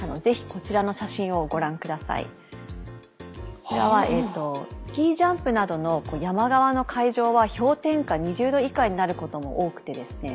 こちらはスキージャンプなどの山側の会場は氷点下２０度以下になることも多くてですね